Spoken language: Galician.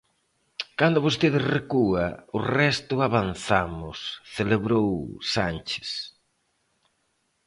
Cando vostede recúa, o resto avanzamos, celebrou Sánchez.